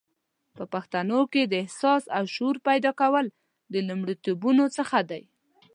په پښتنو کې د احساس او شعور پیدا کول د لومړیتوبونو څخه دی